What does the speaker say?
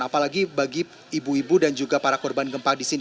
apalagi bagi ibu ibu dan juga para korban gempa di sini